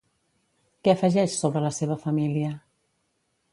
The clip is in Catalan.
Què afegeix sobre la seva família?